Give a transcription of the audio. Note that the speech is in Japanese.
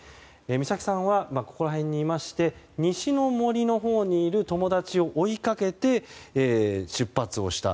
美咲さんは、ここら辺にいまして西の森のほうにいる友達を追いかけて出発をした。